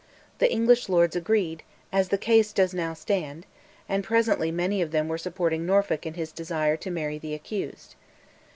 The English Lords agreed, "as the case does now stand," and presently many of them were supporting Norfolk in his desire to marry the accused.